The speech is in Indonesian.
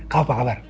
kau apa kabar